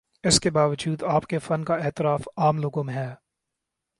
اس کے باوجود آپ کے فن کا اعتراف عام لوگوں میں ہے۔